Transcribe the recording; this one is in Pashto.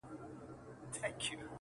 څه ژوند كولو ته مي پريږده كنه -